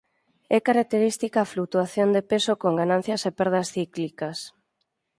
É característica a flutuación de peso con ganancias e perdas cíclicas.